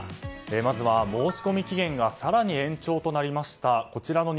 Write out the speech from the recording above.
まずは申し込みが更に延長となりました